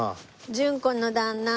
順子の旦那。